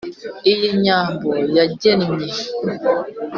Iyi Nyambo yangennye